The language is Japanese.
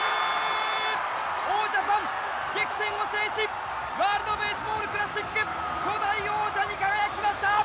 王ジャパン、激戦を制しワールド・ベースボール・クラシック初代王者に輝きました！